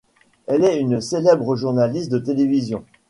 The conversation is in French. Elle est une célèbre journaliste de télévision.